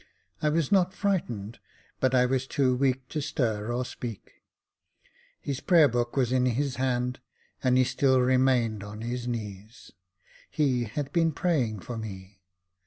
I was not frightened, but I was too weak to stir or speak. His prayer book was in his hand, and he still remained on his knees. He had been praying for me.